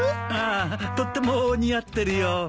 ああとっても似合ってるよ。